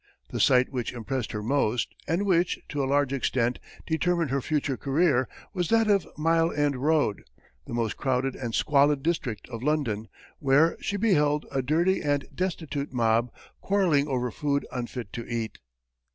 The sight which impressed her most, and which, to a large extent, determined her future career, was that of Mile End Road, the most crowded and squalid district of London, where she beheld a dirty and destitute mob quarreling over food unfit to eat.